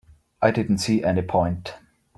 I didn't see any point.